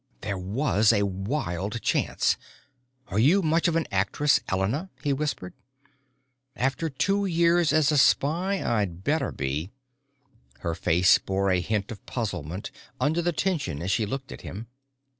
There was a wild chance. "Are you much of an actress, Elena?" he whispered. "After two years as a spy I'd better be." Her face bore a hint of puzzlement under the tension as she looked at him.